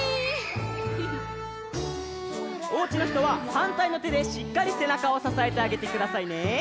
おうちのひとははんたいのてでしっかりせなかをささえてあげてくださいね。